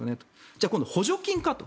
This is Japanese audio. じゃあ今度、補助金かと。